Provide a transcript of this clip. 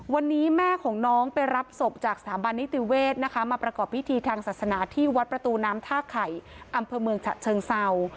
วันนี้แม่ของน้องไปรับศพจากสถาบันนิติเวศนะคะมาประกอบพิธีทางศาสนาที่วัดประตูน้ำท่าไข่อำเภอเมืองฉะเชิงเศร้า